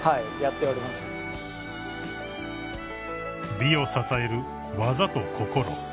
［美を支える技と心］